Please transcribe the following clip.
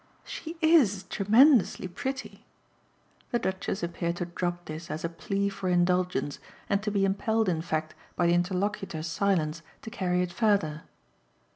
"She IS tremendously pretty." The Duchess appeared to drop this as a plea for indulgence and to be impelled in fact by the interlocutor's silence to carry it further.